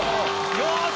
よし！